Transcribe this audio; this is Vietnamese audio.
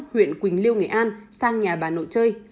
huyện quỳnh liêu nghệ an sang nhà bà nội chơi